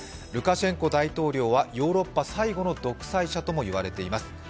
ルカシェンコ大統領はヨーロッパ最後の独裁者とも言われています。